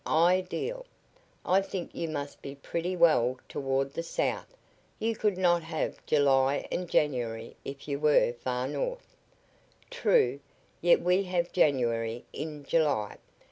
"Ideal! I think you must be pretty well toward the south. You could not have July and January if you were far north." "True; yet we have January in July.